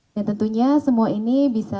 dan tentunya semua ini bisa